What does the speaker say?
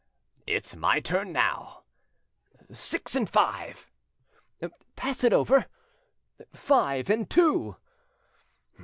"It's my turn now. Six and five." "Pass it over. Five and two."